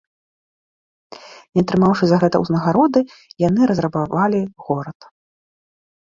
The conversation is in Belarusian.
Не атрымаўшы за гэта ўзнагароды, яны разрабавалі горад.